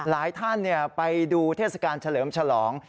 หลายท่านไปดูเทศกาลเฉลิมฉลอง